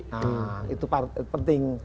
nah itu penting